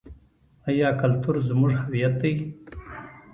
آیا کلتور زموږ هویت دی؟